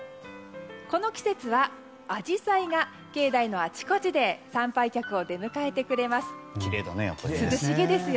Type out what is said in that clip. この季節はアジサイが境内のあちこちで参拝客を出迎えてくれます。